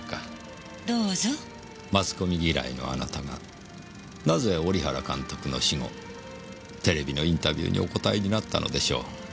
マスコミ嫌いのあなたがなぜ織原監督の死後テレビのインタビューにお答えになったのでしょう？